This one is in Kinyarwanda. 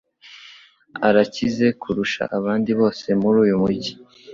Arakize kurusha abandi bose muri uyu mujyi.